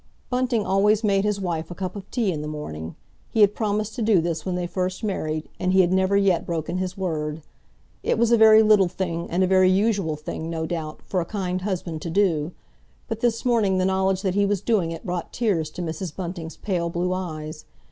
Bunting always made his wife a cup of tea in the morning. He had promised to do this when they first married, and he had never yet broken his word. It was a very little thing and a very usual thing, no doubt, for a kind husband to do, but this morning the knowledge that he was doing it brought tears to Mrs. Bunting's pale blue eyes.